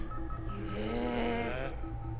へえ。